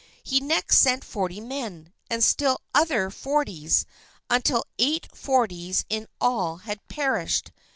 He next sent forty men, and still other forties, until eight forties in all had perished.